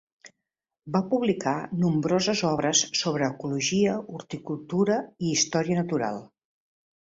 Va publicar nombroses obres sobre ecologia, horticultura i història natural.